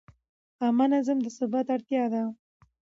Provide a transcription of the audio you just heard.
عامه نظم د ثبات اړتیا ده.